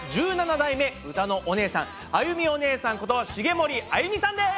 １７代目うたのおねえさんあゆみおねえさんこと茂森あゆみさんです。